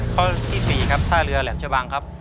ข้อที่๔ครับท่าเรือแหลมชะบังครับ